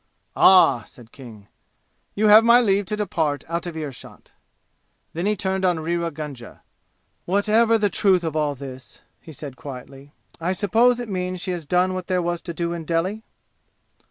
"Ah!" said King. "You have my leave to depart out of earshot." Then he turned on Rewa Gunga. "Whatever the truth of all this," he said quietly, "I suppose it means she has done what there was to do in Delhi?"